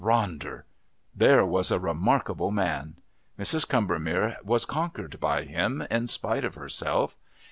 Ronder! There was a remarkable man! Mrs. Combermere was conquered by him, in spite of herself.